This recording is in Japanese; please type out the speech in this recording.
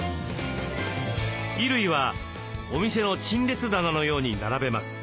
衣類はお店の陳列棚のように並べます。